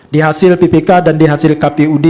di hasil ppk dan di hasil kpud